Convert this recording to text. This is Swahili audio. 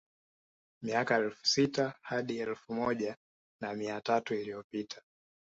Miaka elfu sita hadi elfu moja na mia tatu iliyopita